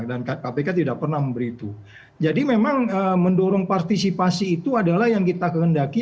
dan kpk tidak pernah memberi itu jadi memang mendorong partisipasi itu adalah yang kita kehendaki